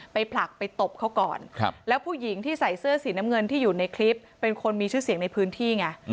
ผลักไปตบเขาก่อนแล้วผู้หญิงที่ใส่เสื้อสีน้ำเงินที่อยู่ในคลิปเป็นคนมีชื่อเสียงในพื้นที่ไง